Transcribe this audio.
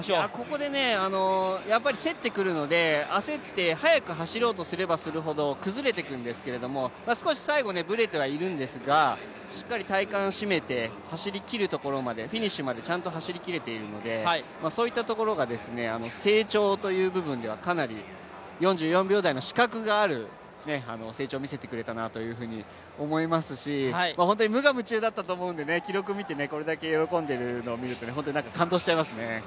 ここで競ってくるので焦って速く走ろうとすればするほど崩れていくんですけど少し最後、ぶれてはいるんですけどしっかり体幹を締めて走りきるところまでフィニッシュまでちゃんと走りきれているので、そういった意味では成長という部分ではかなり４４秒台の資格がある成長を見せてくれたなと思いますし無我夢中だったと思うので記録見て、これだけ喜んでいるのを見ると感動しちゃいますね。